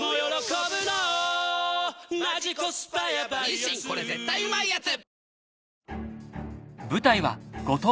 ☎・・☎「日清これ絶対うまいやつ」